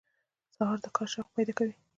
سهار د کار شوق پیدا کوي.